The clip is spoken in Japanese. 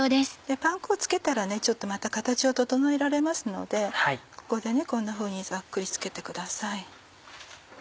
パン粉を付けたらちょっとまた形を整えられますのでここでこんなふうにざっくり付けてください。